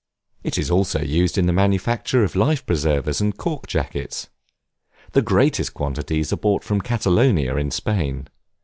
It is also used in the manufacture of life preservers and cork jackets. The greatest quantities are brought from Catalonia, in Spain.